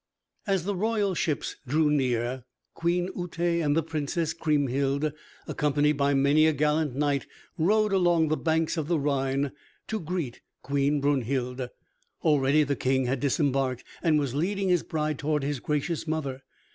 As the royal ships drew near, Queen Uté and the Princess Kriemhild, accompanied by many a gallant knight, rode along the banks of the Rhine to greet Queen Brunhild. Already the King had disembarked, and was leading his bride toward his gracious mother.